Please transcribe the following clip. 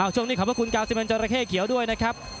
โชคหนี้ขอบคุณกาวสิมันจราเข้เขียวด้วยนะครับ